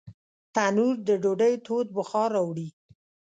تنور د ډوډۍ تود بخار راوړي